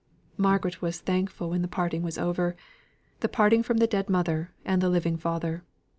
Margaret was thankful when the parting was over the parting from the dead mother and the living father.